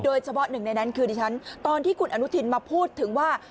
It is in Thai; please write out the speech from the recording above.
เฉพาะหนึ่งในนั้นคือดิฉันตอนที่คุณอนุทินมาพูดถึงว่า